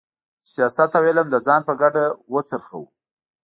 چې سیاست او علم د ځان په ګټه وڅرخوو.